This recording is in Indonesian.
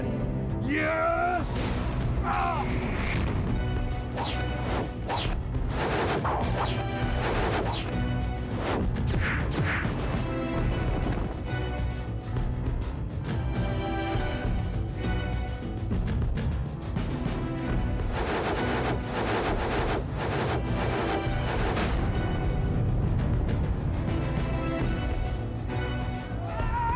lakukan untuk berhentikan